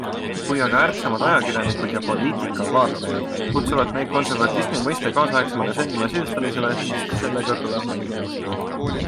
Kui aga ärksamad ajakirjanikud ja poliitikavaatlejad kutsuvad meid konservatismi mõiste kaasaegsemale ja selgemale sisustamisele, siis sellega tuleb muidugi nõustuda.